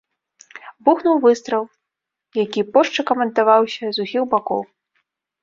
Бухнуў выстрал, які пошчакам аддаваўся з усіх бакоў.